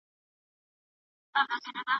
ولي د مهاجرینو حقونه تر پښو لاندي کیږي؟